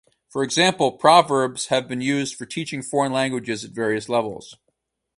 For example, proverbs have been used for teaching foreign languages at various levels.